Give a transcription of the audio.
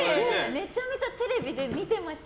めちゃめちゃテレビで見てました。